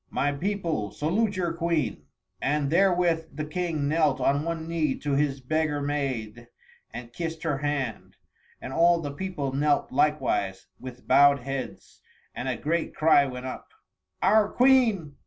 My people, salute your Queen!" And therewith the King knelt on one knee to his beggar maid and kissed her hand; and all the people knelt likewise, with bowed heads, and a great cry went up. "Our Queen!